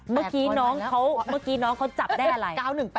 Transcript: เมื่อกี้น้องเขาจับได้อะไร